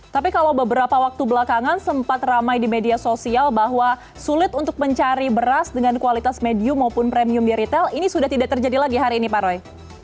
tapi kalau beberapa waktu belakangan sempat ramai di media sosial bahwa sulit untuk mencari beras dengan kualitas medium maupun premium di retail ini sudah tidak terjadi lagi hari ini pak roy